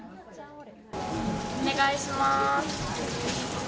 お願いします。